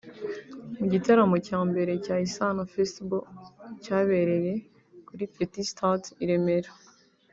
Mu gitaramo cya mbere cya Isaano Festival cyabereye kuri Petit Stade i Remera